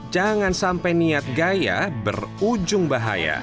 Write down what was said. jangan sampai niat gaya berujung bahaya